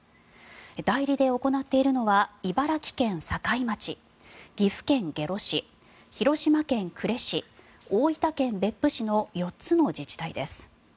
代理で行っているのは茨城県境町岐阜県下呂市、広島県呉市大分県別府市の４つの自治体です。